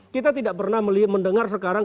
kita tidak pernah mendengar sekarang